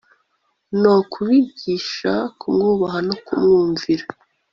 no kubigisha kumwubaha no kumwumvira